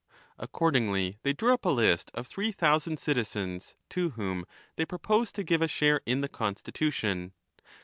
Ac cordingly they drew up a list of three thousand 1 citizens, to whom they announced that they would give a share in the constitution.